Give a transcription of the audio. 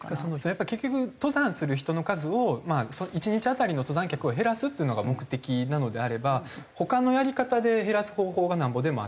やっぱり結局登山する人の数を１日当たりの登山客を減らすっていうのが目的なのであれば他のやり方で減らす方法がなんぼでもあって。